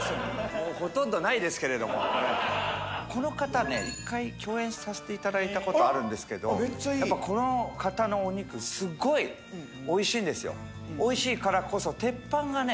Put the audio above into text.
もうほとんどないですけれどもこの方ね一回共演させていただいたことあるんですけどめっちゃいいこの方のお肉おいしいからこそ鉄板がね